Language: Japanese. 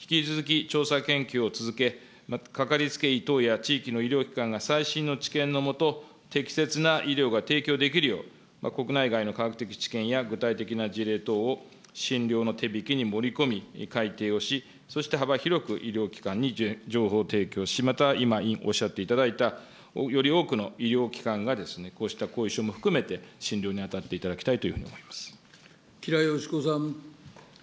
引き続き、調査研究を続け、かかりつけ医等や地域の医療機関が最新の知見の下、適切な医療が提供できるよう、国内外の科学的知見や具体的な事例等を診療の手引きに盛り込み、かいていをし、そして幅広く医療機関に情報提供し、また委員おっしゃっていただいた、より多くの医療機関が、こうした後遺症も含めて診療に当たっていただきたいというふうに吉良よし子さん。